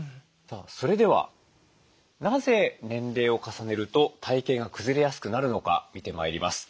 それではなぜ年齢を重ねると体形がくずれやすくなるのか見てまいります。